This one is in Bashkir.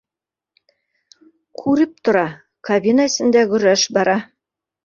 Күреп тора, кабина эсендә көрәш бара